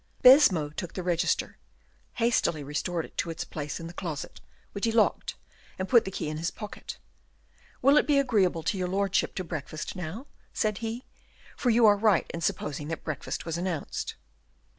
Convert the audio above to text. Baisemeaux took the register, hastily restored it to its place in the closet, which he locked, and put the key in his pocket. "Will it be agreeable to your lordship to breakfast now?" said he; "for you are right in supposing that breakfast was announced."